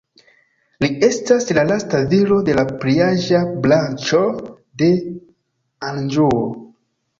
Li estas la lasta viro de la pliaĝa branĉo de Anĵuo.